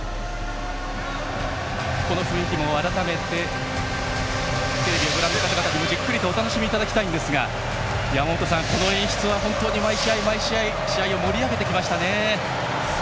この雰囲気も改めてテレビをご覧の方々にじっくりとお楽しみいただきたいんですが山本さん、この演出は本当に毎試合毎試合試合を盛り上げてきましたね。